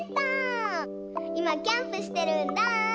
いまキャンプしてるんだ！